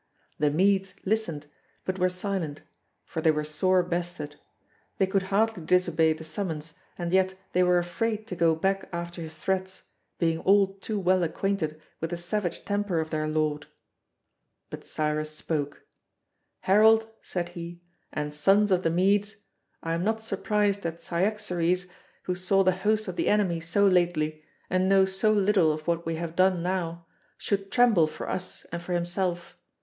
The Medes listened, but were silent; for they were sore bested; they could hardly disobey the summons, and yet they were afraid to go back after his threats, being all too well acquainted with the savage temper of their lord. But Cyrus spoke: "Herald," said he, "and sons of the Medes, I am not surprised that Cyaxares, who saw the host of the enemy so lately, and knows so little of what we have done now, should tremble for us and for himself.